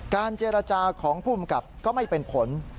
การเจรจาของผู้กลับก็ไม่เป็นผล